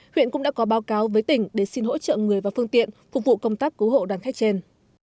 huyện cũng đã có báo cáo với tỉnh để xin hỗ trợ người và phương tiện phục vụ công tác cứu hộ đoàn khách trên